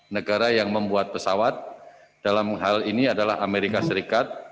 negara yang membuat pesawat dalam hal ini adalah amerika serikat